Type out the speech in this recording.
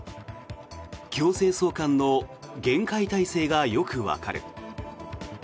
強制送還の厳戒態勢がよくわかる。